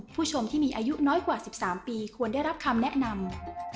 ผู้ชมที่มีอายุน้อยกว่า๑๓ปีควรได้รับคำแนะนำ